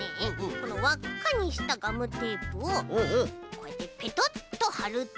このわっかにしたガムテープをこうやってペトッとはると。